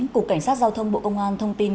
cục cảnh sát giao thông bộ công an thông tin